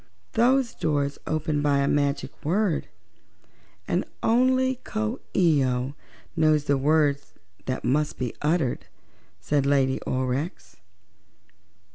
"Those doors open by a magic word, and only Coo ee oh knows the word that must be uttered," said Lady Aurex.